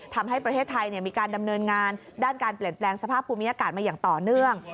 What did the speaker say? ทำให้ประเทศไทยมีการดำเนินงานด้านการเปลี่ยนแปลงสภาพภูมิอากาศมาอย่างต่อเนื่อง